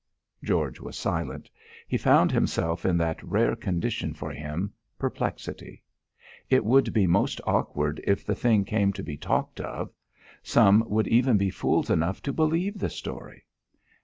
George was silent. He found himself in that rare condition for him perplexity. It would be most awkward if the thing came to be talked of! Some would even be fools enough to believe the story!